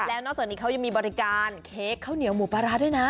แล้วนอกจากนี้เขายังมีบริการเค้กข้าวเหนียวหมูปลาร้าด้วยนะ